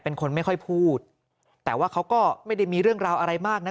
เป็นคนไม่ค่อยพูดแต่ว่าเขาก็ไม่ได้มีเรื่องราวอะไรมากนะ